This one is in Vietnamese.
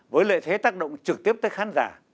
với lợi thế tác động trực tiếp tới khán giả